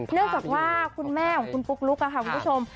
เนื่องจากว่าคุณแม่ของคุณปุ๊กลุ๊กค่ะคุณผู้ชม